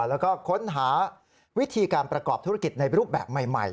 แล้วก็ค้นหาวิธีการประกอบธุรกิจในรูปแบบใหม่